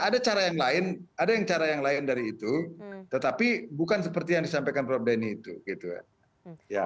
ada cara yang lain ada yang cara yang lain dari itu tetapi bukan seperti yang disampaikan prof denny itu gitu ya